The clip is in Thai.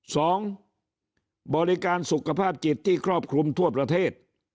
สองบริการสุขภาพจิตที่ครอบคลุมทั่วประเทศ